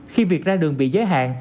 khi việc ra đường bị giới hạn